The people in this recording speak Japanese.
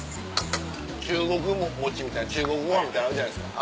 中国餅みたいな中国ご飯みたいのあるじゃないですか。